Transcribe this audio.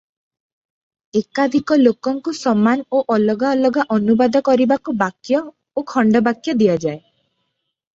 ଏକାଧିକ ଲୋକଙ୍କୁ ସମାନ ଓ ଅଲଗା ଅଲଗା ଅନୁବାଦ କରିବାକୁ ବାକ୍ୟ ଓ ଖଣ୍ଡବାକ୍ୟ ଦିଆଯାଏ ।